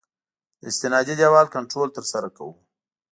د استنادي دیوال کنټرول ترسره کوو